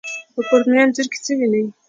په پورتني انځور کې څه وينئ؟